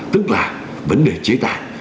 tức là vấn đề chế tài